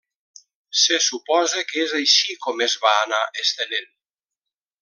Se suposa que és així com es va anar estenent.